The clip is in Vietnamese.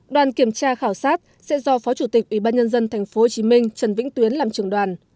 đoàn kiểm tra khảo sát sẽ do phó chủ tịch ủy ban nhân dân tp hcm trần vĩnh tuyến làm trường đoàn